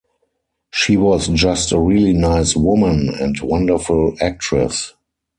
She was just a really nice woman and a wonderful actress.